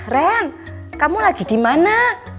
ren kamu lagi dimana